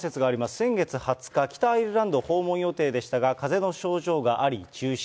先月２０日、北アイルランド訪問予定でしたが、かぜの症状があり、中止。